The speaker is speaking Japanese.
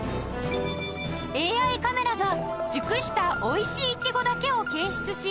ＡＩ カメラが熟した美味しいイチゴだけを検出し